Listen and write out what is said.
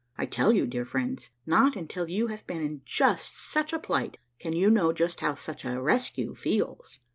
I tell you, dear friends, not until you have been in just such a plight can you know just how such a rescue feels.